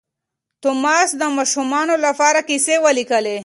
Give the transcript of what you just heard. توماس د ماشومانو لپاره کیسې ولیکلې.